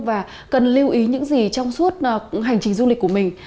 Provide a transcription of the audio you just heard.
và cần lưu ý những gì trong suốt hành trình du lịch của mình